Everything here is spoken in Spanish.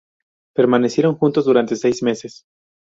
Permanecieron juntos durante seis meses.